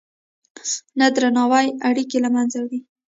نه درناوی اړیکې له منځه وړي.